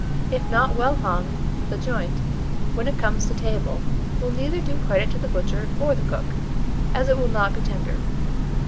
If not well hung, the joint, when it comes to table, will neither do credit to the butcher or the cook, as it will not be tender.